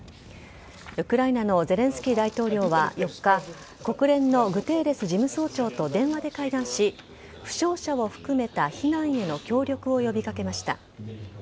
ウクライナのゼレンスキー大統領は４日国連のグテーレス事務総長と電話で会談し負傷者を含めた避難への協力を呼び掛けました。